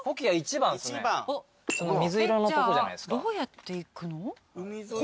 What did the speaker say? どうやって行くの？